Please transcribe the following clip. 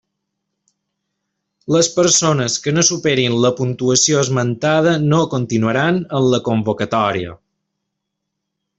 Les persones que no superin la puntuació esmentada no continuaran en la convocatòria.